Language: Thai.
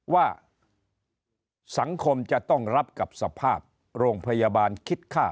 ว่าสังคมจะต้องรับกับสภาพโรงพยาบาลคิดค่า